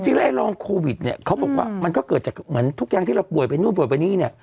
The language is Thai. ไอ้รองโควิดเนี่ยเขาบอกว่ามันก็เกิดจากเหมือนทุกอย่างที่เราป่วยไปนู่นป่วยไปนี่เนี่ย